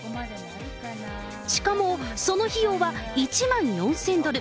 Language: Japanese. しかもその費用は１万４０００ドル。